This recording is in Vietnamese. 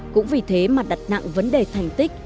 cũng vì thế mà đặt nặng vấn đề thành tích